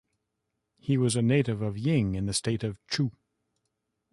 He was a native of Ying in the State of Chu.